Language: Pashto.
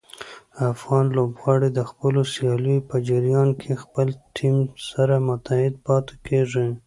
افغان لوبغاړي د خپلو سیالیو په جریان کې خپل ټیم سره متحد پاتې کېږي.